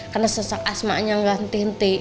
karena sesak asma nya enggak henti henti